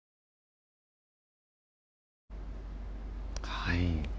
はい。